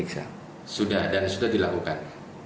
sudah dan sudah dilakukan